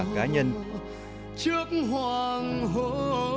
cá nhân trước hoàng hôn